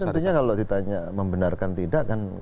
ya tentunya kalau ditanya membenarkan tidak kan